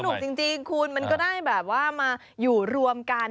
แต่ก็สนุกจริงคุณมันก็ได้แบบว่ามาอยู่รวมกัน